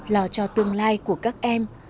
lo cho tương lai của các em